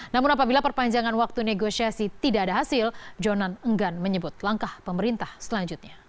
namun apabila perpanjangan waktu negosiasi tidak ada hasil jonan enggan menyebut langkah pemerintah selanjutnya